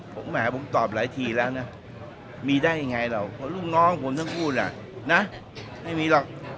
ผมแหมผมตอบหลายทีแล้วนะมีได้ยังไงหรอกเพราะลูกน้องผมทั้งคู่น่ะนะไม่มีหรอก